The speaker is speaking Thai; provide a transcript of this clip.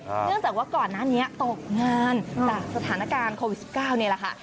เนื่องจากว่าก่อนหน้านี้ตกงานจากสถานการณ์โควิด๑๙นี่แหละค่ะ